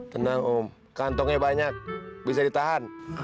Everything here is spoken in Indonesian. tenang om kantongnya banyak bisa ditahan